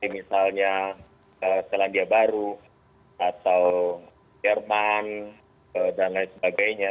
misalnya selandia baru atau jerman dan lain sebagainya